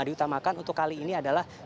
diutamakan untuk kali ini adalah